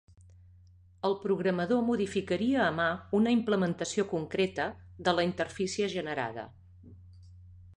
El programador modificaria a mà una implementació concreta de la interfície generada.